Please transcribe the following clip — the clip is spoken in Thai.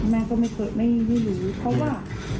แม่ก็ไม่เคยรู้เพราะว่า